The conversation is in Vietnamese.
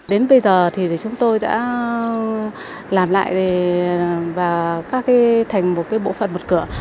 đến bây giờ thì chúng tôi đã làm lại và các cái thành một cái bộ phận bật cửa